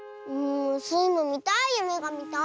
スイもみたいゆめがみたい！